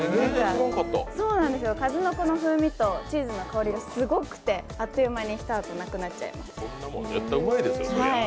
かずのこの風味とチーズの香りがすごくて、あっと言う間に一箱なくなっちゃいます。